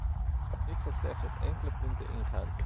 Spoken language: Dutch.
Ik zal slechts op enkele punten ingaan.